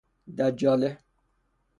دجاله